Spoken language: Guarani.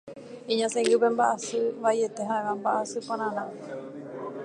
iñasãigui pe mba'asy vaiete ha'éva mba'asypararã